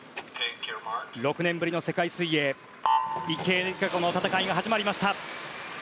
６年ぶりの世界水泳池江璃花子の戦いが始まりました。